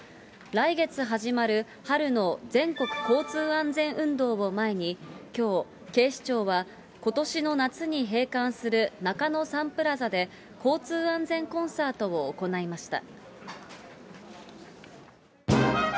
来月始まる春の全国交通安全運動を前に、きょう、警視庁はことしの夏に閉館する中野サンプラザで、交通安全コンサートを行いました。